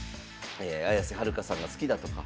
綾瀬はるかさんが好きだとか。